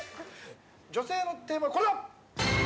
「女性のテーマはこれだ！」